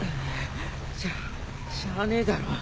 しゃしゃあねえだろ。